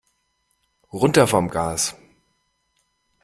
Runter vom Gas!